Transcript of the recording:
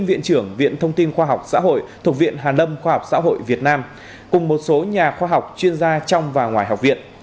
viện thông tin khoa học xã hội thuộc viện hà nâm khoa học xã hội việt nam cùng một số nhà khoa học chuyên gia trong và ngoài học viện